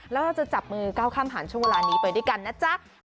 แล้วเราจะจับมือก้าวข้ามผ่านช่วงเวลานี้ไปด้วยกันนะจ๊ะ